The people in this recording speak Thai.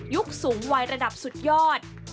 สูงวัยระดับสุดยอด